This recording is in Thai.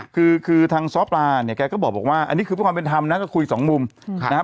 คือคือทางซ้อปลาเนี่ยแกก็บอกว่าอันนี้คือเพื่อความเป็นธรรมนะก็คุยสองมุมนะครับ